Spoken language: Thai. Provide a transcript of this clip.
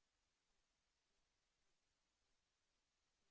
โปรดติดตามตอนต่อไป